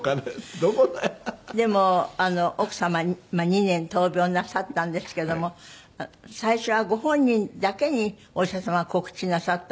でも奥様２年闘病なさったんですけども最初はご本人だけにお医者様告知なさったんですってね。